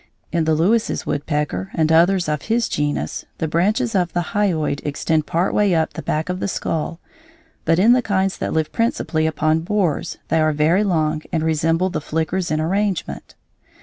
In the Lewis's woodpecker and others of his genus the branches of the hyoid extend part way up the back of the skull but in the kinds that live principally upon borers they are very long and resemble the flicker's in arrangement.